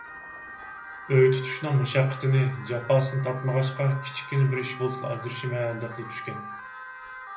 ئۆي تۇتۇشنىڭ مۇشەققىتىنى، جاپاسىنى تارتمىغاچقا، كىچىككىنە بىر ئىش بولسىلا «ئاجرىشىمەن» دەپلا چۈشكەن.